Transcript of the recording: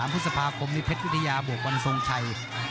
พฤษภาคมนี้เพชรวิทยาบวกวันทรงชัย